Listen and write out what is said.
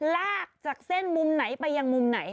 ลากจากเส้นมุมไหนไปยังมุมไหน